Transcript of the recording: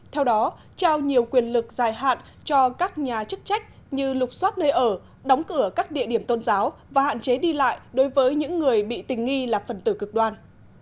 theo đó trao nhiều quyền lực dài hạn cho các nhà chức trách như lục xoát nơi ở đóng cửa các địa điểm tôn giáo và hạn chế đi lại đối với những người bị tình nghi là phần tử cực đoan